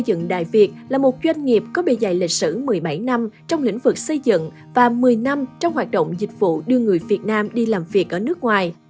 công ty là một doanh nghiệp có bề dạy lịch sử một mươi bảy năm trong lĩnh vực xây dựng và một mươi năm trong hoạt động dịch vụ đưa người việt nam đi làm việc ở nước ngoài